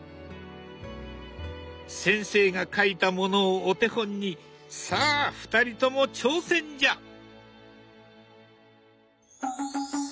先生が描いたものをお手本にさあ２人とも挑戦じゃ！